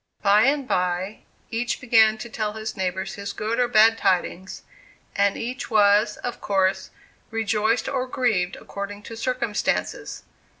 "By and by each began to tell his neighbor his good or bad tidings; and each was, of course, rejoiced or grieved according to circumstances.